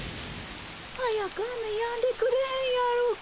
早く雨やんでくれへんやろか。